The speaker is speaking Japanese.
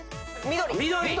緑。